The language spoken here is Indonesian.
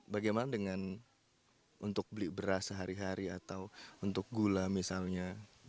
bagaimana dengan untuk beli beras sehari hari atau untuk gula misalnya